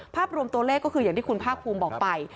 ภาพรวมตัวเลขก็คืออย่างที่คุณภาคภูมิบอกไป